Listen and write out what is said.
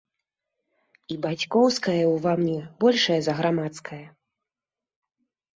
І бацькоўскае ўва мне большае за грамадскае.